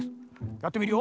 やってみるよ。